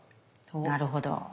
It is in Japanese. なるほど。